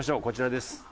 こちらです。